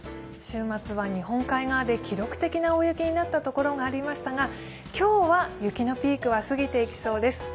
週末は日本海側で記録的な大雪になったところがありましたが、今日は雪のピークは過ぎていきそうです。